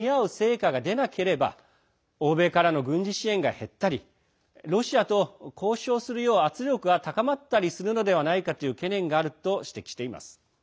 しかしワシントン・ポストはウクライナ側には、その期待に見合う成果が出なければ欧米からの軍事支援が減ったりロシアと交渉するよう圧力が高まったりするのではないかという懸念があると指摘しています。